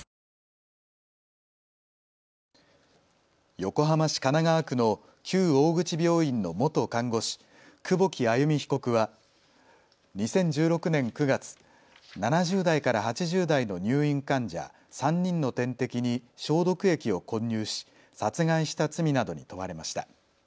横浜市神奈川区の旧大口病院の元看護師、久保木愛弓被告は２０１６年９月、７０代から８０代の入院患者３人の点滴に消毒液を混入し殺害した罪などに問われました。